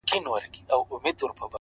سترگه وره مي په پت باندي پوهېږي-